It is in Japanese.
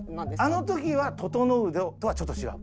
あの時はととのうとはちょっと違う。